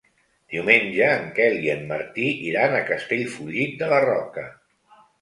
Diumenge en Quel i en Martí iran a Castellfollit de la Roca.